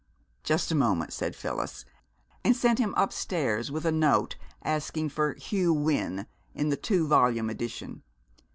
"Just a moment!" said Phyllis; and sent him upstairs with a note asking for "Hugh Wynne" in the two volume edition.